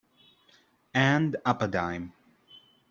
And up a dime.